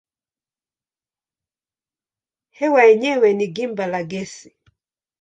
Hewa yenyewe ni gimba la gesi.